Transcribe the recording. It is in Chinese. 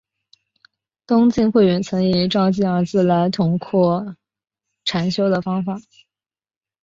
东晋慧远曾以照寂二字来统括禅修方法。